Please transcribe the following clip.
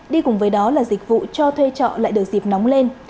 đi cùng với đó là dịch vụ cho thuê trọ lại được dịp nóng lên